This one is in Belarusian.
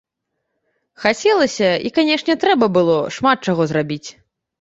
Хацелася і, канечне, трэба было шмат чаго зрабіць.